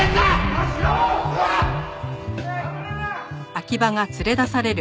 暴れるな！